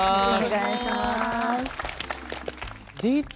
お願いします。